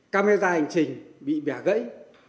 camera hành trình bị bẻ gãy